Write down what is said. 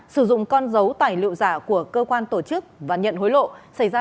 sử dụng con dấu tài liệu giả của cơ quan tổ chức và nhận hối lộ xảy ra